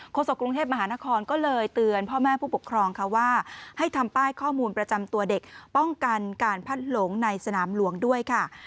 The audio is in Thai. โศกกรุงเทพมหานครก็เลยเตือนพ่อแม่ผู้ปกครองค่ะว่าให้ทำป้ายข้อมูลประจำตัวเด็กป้องกันการพัดหลงในสนามหลวงด้วยค่ะ